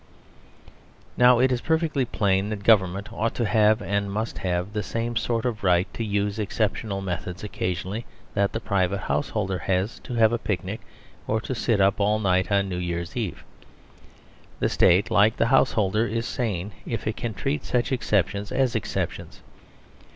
Now it is perfectly plain that government ought to have, and must have, the same sort of right to use exceptional methods occasionally that the private householder has to have a picnic or to sit up all night on New Year's Eve. The State, like the householder, is sane if it can treat such exceptions as exceptions.